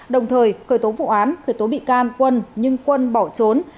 đồng thời khởi tố vụ án khởi tố bị can quân nhưng quân bỏ trốn